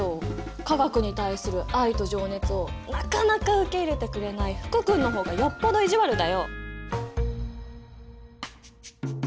化学に対する愛と情熱をなかなか受け入れてくれない福君の方がよっぽど意地悪だよ！